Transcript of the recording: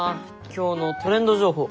今日のトレンド情報。